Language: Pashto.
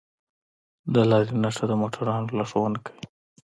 د لارې نښه د موټروان لارښوونه کوي.